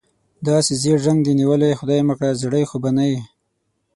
داسې ژېړ رنګ دې نیولی، خدای مکړه زېړی خو به نه یې؟